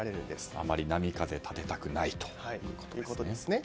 あまり波風立てたくないということですね。